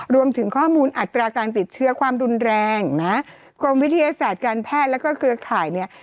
รวมถึงข้อมูลอัตราการติดเชื้อความรุนแรงนะกรมวิทยาศาสตร์การแพทย์แล้วก็เครือข่ายเนี่ย